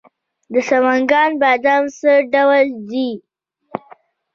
د سمنګان بادام څه ډول دي؟